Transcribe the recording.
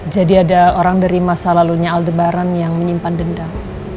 jadi ada orang dari masa lalunya aldebaran yang menyimpan dendam